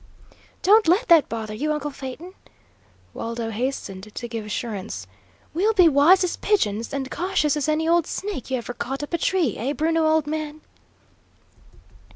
"Don't let that bother you, uncle Phaeton," Waldo hastened to give assurance. "We'll be wise as pigeons, and cautious as any old snake you ever caught up a tree; eh, Bruno, old man?"